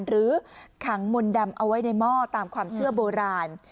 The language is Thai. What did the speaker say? หรือขังมนต์ดำเอาไว้ในหม้อตามความเชื่อโบราณ